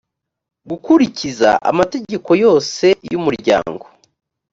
gukurikiza amategeko yose y umuryango